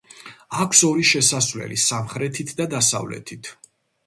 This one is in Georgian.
აქვს ორი შესასვლელი, სამხრეთით და დასავლეთით.